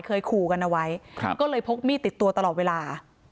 เคยขู่กันเอาไว้ก็เลยพกมีดติดตัวตลอดเวลา